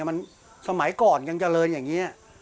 มันสมัยก่อนยังเจริญอย่างนี้